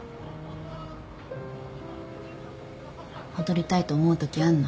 戻りたいと思うときあんの？